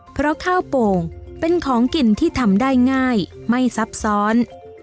เพราะข้าวโป่งเป็นของกินที่ทำได้ง่ายไม่ซับซ้อน